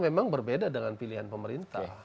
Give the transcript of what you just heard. memang berbeda dengan pilihan pemerintah